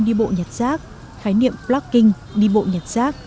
đi bộ nhặt rác khái niệm placking đi bộ nhặt rác